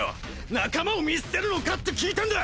仲間を見捨てるのかって聞いてんだ！